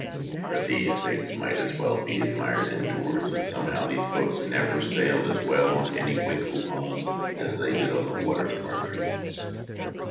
But these things might be as well admired indoors, and some how these boats never sailed as well on any wakeful pond as they did on the waters of our dreams.